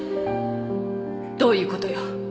どういうことよ